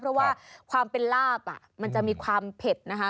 เพราะว่าความเป็นลาบมันจะมีความเผ็ดนะคะ